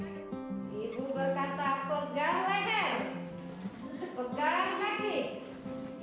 ibu berkata pegang layan pegang lagi